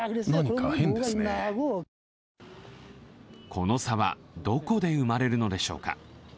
この差はどこで生まれるのでしょうか？